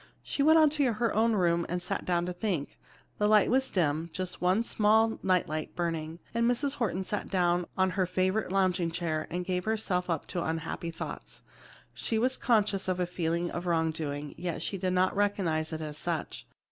She went on to her own room and sat down to think. The light was dim; just one small night light burning, and Mrs. Horton sat down in her favorite lounging chair and gave herself up to her unhappy thoughts. She was conscious of a feeling of wrongdoing yet she did not recognize it as such.